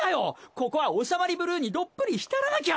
ここはオシャマリブルーにどっぷり浸らなきゃ。